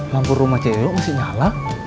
lampu rumah ceo masih nyala